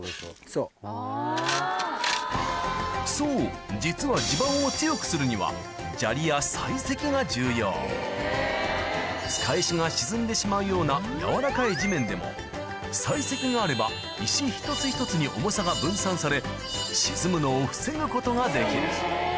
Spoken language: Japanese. そう実は束石が沈んでしまうようなやわらかい地面でも砕石があれば石一つ一つに重さが分散され沈むのを防ぐことができる